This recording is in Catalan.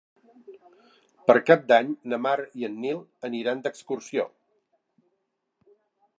Per Cap d'Any na Mar i en Nil aniran d'excursió.